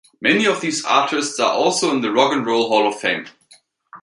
Many of these artist are also in the Rock and Roll Hall of Fame.